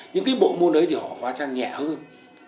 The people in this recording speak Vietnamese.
những bộ môn ấy thì họ hóa trang nhẹ hơn